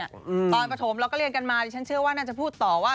ตอนปฐมเราก็เรียนกันมาดิฉันเชื่อว่าน่าจะพูดต่อว่า